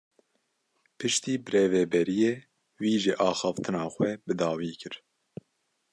Piştî birêveberiyê wî jî axaftina xwe bi dawî kir.